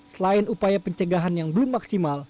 selain upaya pencegahan yang belum maksimal